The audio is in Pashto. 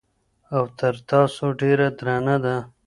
او تر تاسو ډېره درنه ده